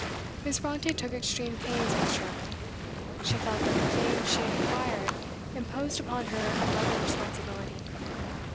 Miss Brontë took extreme pains with "Shirley." She felt that the fame she had acquired imposed upon her a double responsibility.